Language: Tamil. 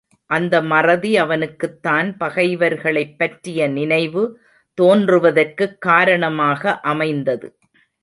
அந்த மறதி அவனுக்குத் தான் பகைவர்களைப் பற்றிய நினைவு தோன்றுவதற்குக் காரணமாக அமைந்தது.